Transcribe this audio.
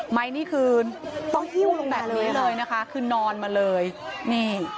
ไมค์นี่คือต้องหิ้วลงมาเลยนะคะคือนอนมาเลยนี่